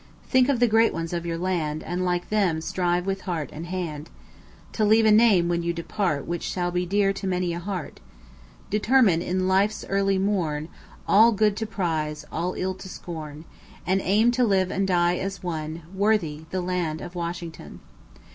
Think of the great ones of your land, And, like them, strive with heart and hand To leave a name, when you depart, Which shall be dear to many a heart. Determine in life's early morn All good to prize, all ill to scorn, And aim to live and die as one Worthy the land of Washington!